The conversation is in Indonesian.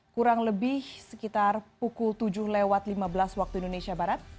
kurang lebih sekitar pukul tujuh lewat lima belas waktu indonesia barat